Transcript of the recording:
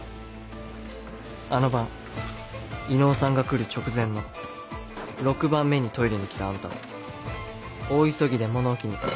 あの晩伊能さんが来る直前の６番目にトイレに来たあんたは大急ぎで物置に。